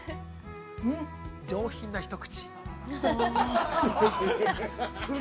上品な一口。